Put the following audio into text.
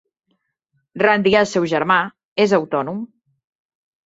Randy, el seu germà, és autònom.